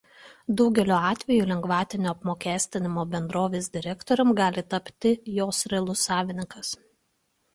Daugeliu atveju lengvatinio apmokestinimo bendrovės direktoriumi gali tapti jos realus savininkas.